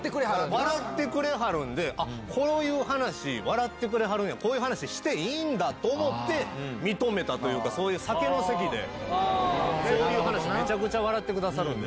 笑ってくれはるんで、あっ、こういう話、笑ってくれはるんや、こういう話していいんだと思って、認めたというか、そういう酒の席で、そういう話、めちゃくちゃ笑ってくれるんで。